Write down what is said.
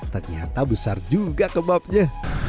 ternyata besar juga kebabnya